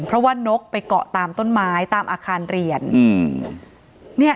เพราะว่านกไปเกาะตามต้นไม้ตามอาคารเรียนอืมเนี่ย